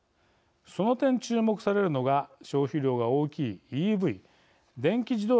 その点注目されるのが消費量が大きいＥＶ電気自動車への充電です。